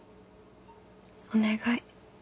お願い。